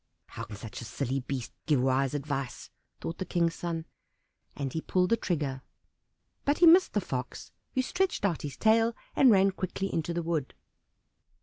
"How can such a silly beast give wise advice?" thought the King's son, and he pulled the trigger. But he missed the Fox, who stretched out his tail and ran quickly into the wood.